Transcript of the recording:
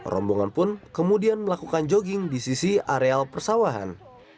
rombongan pun kemudian melakukan jogging di sisi areal persawahan